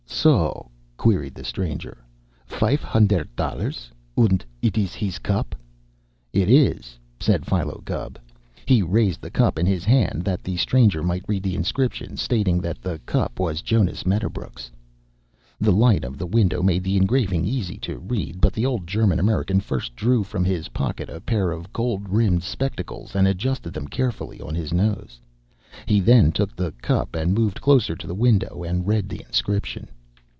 "So?" queried the stranger. "Fife hunderdt dollars? Und it is his cup?" "It is," said Philo Gubb. He raised the cup in his hand that the stranger might read the inscription stating that the cup was Jonas Medderbrook's. The light of the window made the engraving easy to read, but the old German American first drew from his pocket a pair of gold rimmed spectacles and adjusted them carefully on his nose. He then took the cup and moved closer to the window and read the inscription.